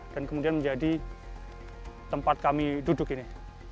kemudian menjadi tempat kami duduk ini